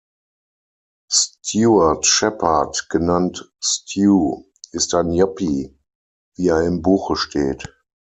Stuart Shepard, genannt „Stu“, ist ein Yuppie, wie er im Buche steht.